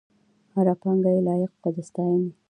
هره پاڼه یې لایق وه د ستاینې.